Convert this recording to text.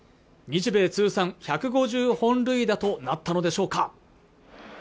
日米通算１５０本塁打となったのでしょうか